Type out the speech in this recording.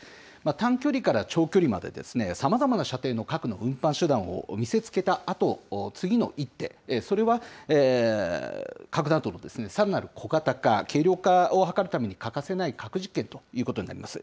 短距離から長距離まで、さまざまな射程の核の運搬手段を見せつけたあと、次の一手、それは核弾頭のさらなる小型化、軽量化を図るために欠かせない核実験ということになります。